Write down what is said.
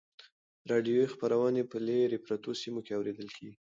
راډیویي خپرونې په لیرې پرتو سیمو کې اورېدل کیږي.